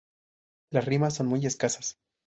Las rimas son muy escasas.